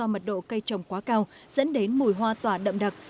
cây hoa sữa này là so mật độ cây trồng quá cao dẫn đến mùi hoa tỏa đậm đặc